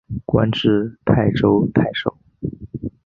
官至泰州太守。